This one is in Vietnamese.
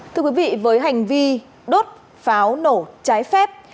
thưa quý vị với hành vi đốt pháo nổ trái phép